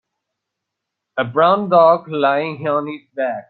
A brown dog laying on its back.